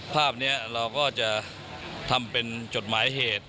ภาพนี้เราก็จะทำเป็นจดหมายเหตุ